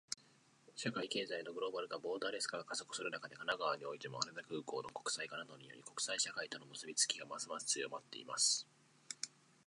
社会・経済のグローバル化、ボーダレス化が加速する中で、神奈川においても、羽田空港の国際化などにより、国際社会との結びつきがますます強まっています。